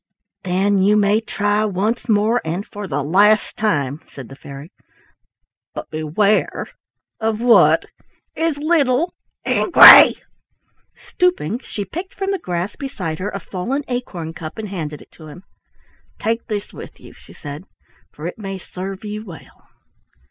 "Then you may try once more and for the last time," said the fairy, "but beware of what is little and gray." Stooping she picked from the grass beside her a fallen acorn cup and handed it to him. "Take this with you," she said, "for it may serve you well."